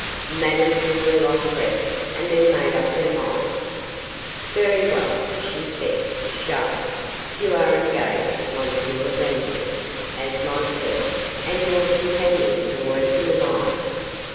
Madame drew a long breath, and then made up her mind. 'Very well,' she said, sharply; 'you are engaged, M. Vandeloup, as my clerk, and your companion can work in the mine.